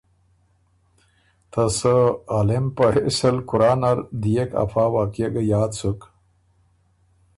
ته سۀ عالم په حېث ال قرآن نر ديېک افا واقعه ګۀ یاد سُک۔